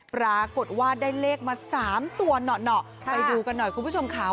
ปรากฏว่าได้เลขมาสามตัวเหนาะเหนาะค่ะไปดูกันหน่อยคุณผู้ชมค่ะ